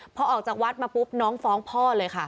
พอออกจากวัดมาปุ๊บน้องฟ้องพ่อเลยค่ะ